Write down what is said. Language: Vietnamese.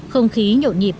không khí nhộn nhịp